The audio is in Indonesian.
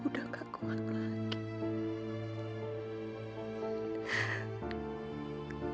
kamu tidak perlu memikirkan itu